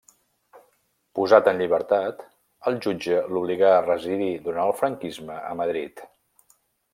Posat en llibertat, el jutge l'obligà a residir durant el franquisme a Madrid.